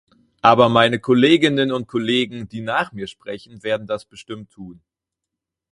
Aber meine Kolleginnen und Kollegen, die nach mir sprechen, werden das bestimmt tun.